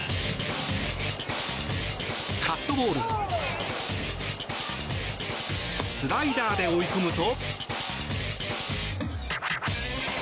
カットボールスライダーで追い込むと。